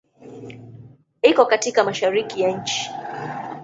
Iko katika Mashariki ya nchi.